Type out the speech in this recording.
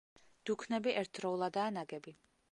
დუქნები ერთდროულადაა ნაგები.